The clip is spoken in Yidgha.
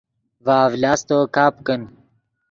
ڤے اڤلاستو کپ کن